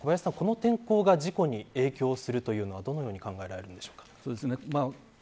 この天候が事故に影響するというのはどのように考えられるんですか。